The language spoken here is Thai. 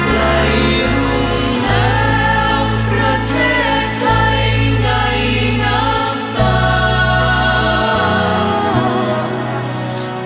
ใกล้รู้แล้วประเทศไทยในงามตา